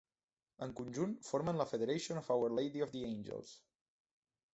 En conjunt formen la "Federation of Our Lady of the Angels".